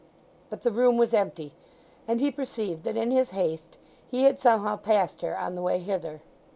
But the room was empty, and he perceived that in his haste he had somehow passed her on the way hither.